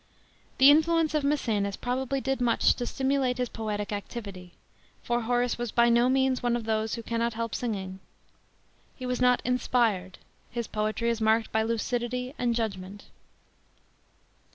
The influence of Maecenas probably did much to stimulate his poetic activity ; for Horace was by no means one of those who cannot help singing. He was not " inspired ;" his poetry is marked by lucidity and judgment.